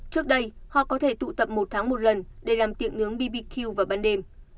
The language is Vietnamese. trước đây họ có thể tụ tập một tháng một lần để làm tiệm nướng bbq vào ban đêm